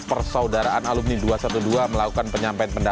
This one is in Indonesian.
persaudaraan alumni dua ratus dua belas melakukan penyampaian pendapatan